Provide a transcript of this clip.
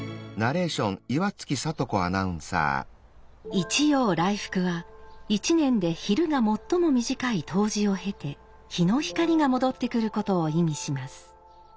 「一陽来復」は１年で昼が最も短い冬至を経て陽の光が戻ってくることを意味します。